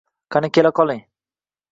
Qani, kela qoling.